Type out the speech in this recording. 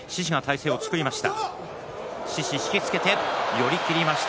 寄り切りました。